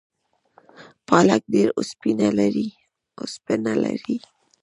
پالک ډیره اوسپنه لري